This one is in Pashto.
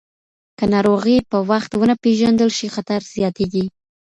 که ناروغي په وخت ونه پیژندل شي، خطر زیاتېږي.